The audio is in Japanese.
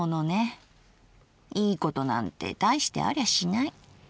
いいことなんて大してありゃしない。